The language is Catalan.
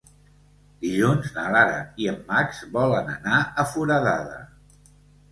Dilluns na Lara i en Max volen anar a Foradada.